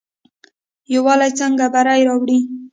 یووالی څنګه بری راوړي؟